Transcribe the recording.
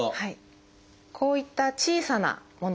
こういった小さなもの